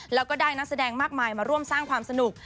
แล้วก็ได้นักแสดงมากมายมาร่วมสร้างความสนุก